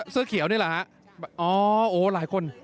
เสื้อเขียวนี่หรอ